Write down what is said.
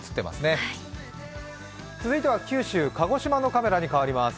続いては九州・鹿児島のカメラに変わります。